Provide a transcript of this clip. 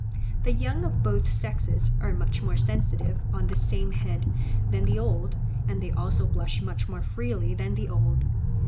The young of both sexes are much more sensitive on this same head than the old, and they also blush much more freely than the old.